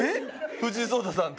藤井聡太さんと？